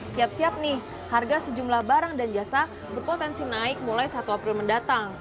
siap siap nih harga sejumlah barang dan jasa berpotensi naik mulai satu april mendatang